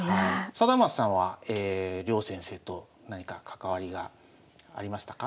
貞升さんは両先生と何か関わりがありましたか？